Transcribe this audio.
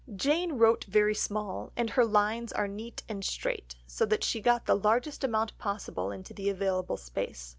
Jane wrote very small, and her lines are neat and straight, so that she got the largest amount possible into the available space.